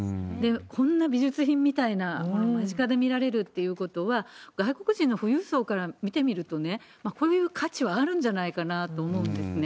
こんな美術品みたいな、間近で見られるっていうことは、外国人の富裕層から見てみると、こういう価値はあるんじゃないかなと思うんですね。